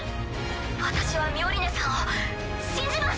私はミオリネさんを信じます！